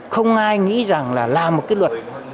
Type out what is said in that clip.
không ai nghĩ rằng là làm một cái luật